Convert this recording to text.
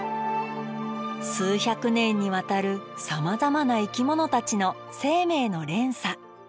数百年にわたるさまざまな生き物たちの生命の連鎖。